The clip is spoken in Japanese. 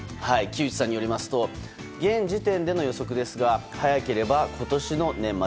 木内さんによりますと現時点での予測ですが早ければ今年の年末。